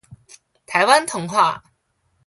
臺灣童話